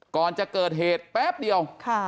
ก่อนจะเกิดเหตุแป๊บเดียว